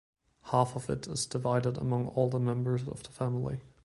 Half of it is divided among all the members of the family.